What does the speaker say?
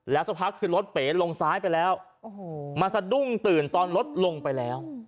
สักพักคือรถเป๋ลงซ้ายไปแล้วมันสะดุ้งตื่นตอนรถลงไปแล้ว